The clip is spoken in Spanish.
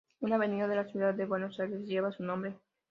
Una avenida de la ciudad de Buenos Aires lleva su nombre.